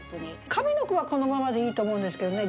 上の句はこのままでいいと思うんですけどね